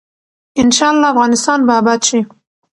ان شاء الله افغانستان به اباد شي.